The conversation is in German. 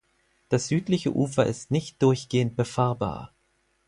Das südliche Ufer ist nicht durchgehend befahrbar.